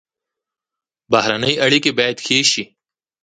بهرنۍ اړیکې باید ښې شي